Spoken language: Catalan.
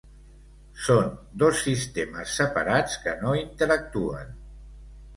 Són dos sistemes separats que no interactuen.